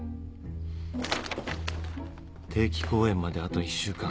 定期公演まであと１週間。